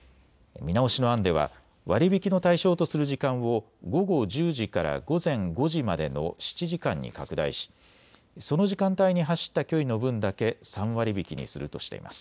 見直しの案では割り引きの対象とする時間を午後１０時から午前５時までの７時間に拡大し、その時間帯に走った距離の分だけ３割引きにするとしています。